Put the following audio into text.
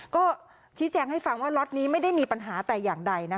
ก็ชี้แจงให้ฟังว่าล็อตนี้ไม่ได้มีปัญหาแต่อย่างใด